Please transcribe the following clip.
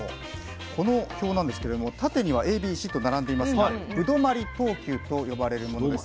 この表なんですけれども縦にはＡＢＣと並んでいますが歩留等級と呼ばれるものです。